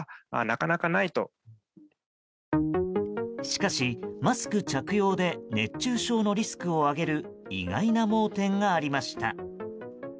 しかし、マスク着用で熱中症のリスクを上げる意外な盲点がありました。